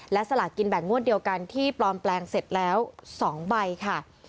และสลากกินแบ่งงวดเดียวกันที่ปลอมแปลงเสร็จแล้ว๒ใบค่ะ